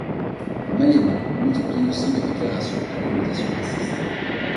Malema multiplie aussi les déclarations à connotations racistes.